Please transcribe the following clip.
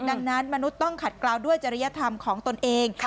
ดังนั้นมนุษย์ต้องขัดกล่าวด้วยจริยธรรมของตนเอง